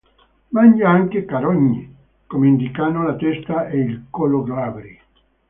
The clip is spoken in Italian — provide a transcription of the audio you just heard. Mangia anche carogne, come indicano la testa e il collo glabri.